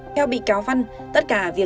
theo bị cáo văn tất cả việc xảy ra thời gian